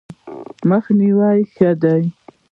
مخنیوی ښه دی.